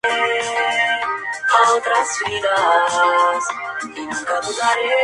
Los cementerios estaban cerca de los poblados grandes.